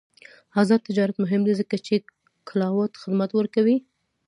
آزاد تجارت مهم دی ځکه چې کلاؤډ خدمات ورکوي.